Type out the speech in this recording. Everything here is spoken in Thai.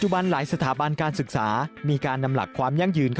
มหาวิทยาลัยกรุงเทพฯ